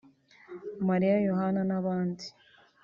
Mariya Yohana n’abandi